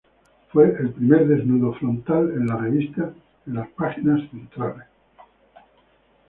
Fue el primer desnudo frontal en la revista en las páginas centrales.